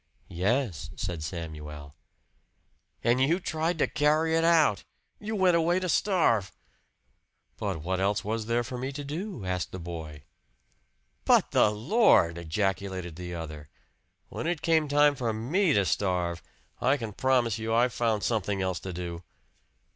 "Yes," said Samuel. "And you tried to carry it out! You went away to starve!" "But what else was there for me to do?" asked the boy. "But the Lord!" ejaculated the other. "When it came time for ME to starve, I can promise you I found something else to do!"